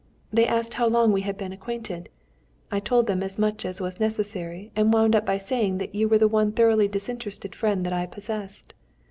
They asked how long we had been acquainted. I told them as much as was necessary, and wound up by saying that you were the one thoroughly disinterested friend that I possessed.